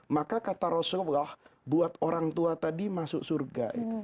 maka kata rasulullah buat orang tua tadi masuk surga